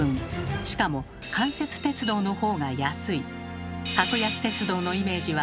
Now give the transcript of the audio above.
しかも官設鉄道のほうが安い。